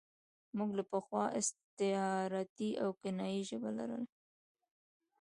موږ له پخوا استعارتي او کنايي ژبه لاره.